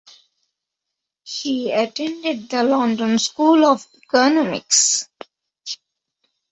She attended the London School of Economics.